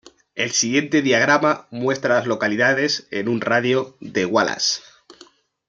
El siguiente diagrama muestra a las localidades en un radio de de Wallace.